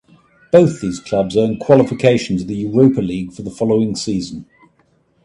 Both these clubs earned qualification to the Europa League for the following season.